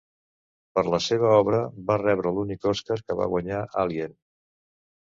Per la seva obra va rebre l'únic Oscar que va guanyar Alien.